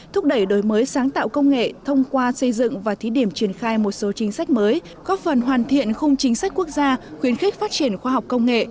thúc đẩy đổi mới sáng tạo công nghệ thông qua xây dựng và thí điểm triển khai một số chính sách mới góp phần hoàn thiện khung chính sách quốc gia khuyến khích phát triển khoa học công nghệ